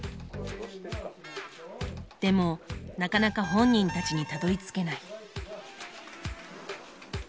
でもなかなか本人たちにたどりつけない。